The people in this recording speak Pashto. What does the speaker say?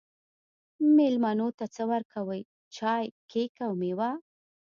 میلمنو ته څه ورکوئ؟ چای، کیک او میوه